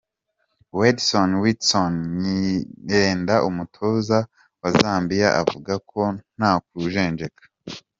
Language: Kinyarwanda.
Wedson Witson Nyirenda umutoza wa Zambia avuga ko nta kujenjeka .